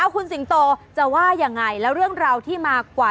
คุณสิงโตจะว่ายังไงแล้วเรื่องราวที่มากว่า